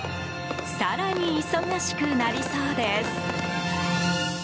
更に忙しくなりそうです。